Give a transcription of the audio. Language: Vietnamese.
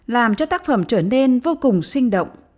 làm cho tác phẩm trở nên vô cùng sinh động